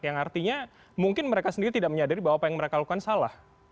yang artinya mungkin mereka sendiri tidak menyadari bahwa apa yang mereka lakukan salah